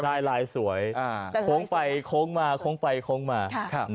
ลายลายสวยโค้งไปโค้งมาโค้งไปโค้งมา